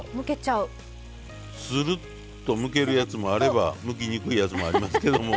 スルッとむけるやつもあればむけにくいやつもありますけども。